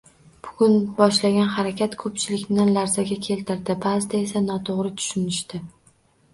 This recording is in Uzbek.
Bugun boshlangan harakat ko'pchilikni larzaga keltirdi, ba'zida esa noto'g'ri tushunishdi